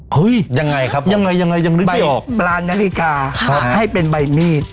ยังไงครับยังไงยังไงยังนึกไม่ออกปลานาฬิกาให้เป็นใบมีด